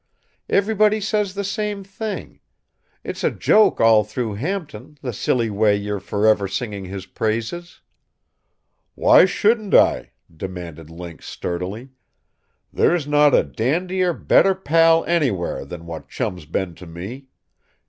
Everybody says the same thing. It's a joke all through Hampton, the silly way you're forever singing his praises." "Why shouldn't I?" demanded Link sturdily. "There's not a dandier, better pal anywhere, than what Chum's been to me.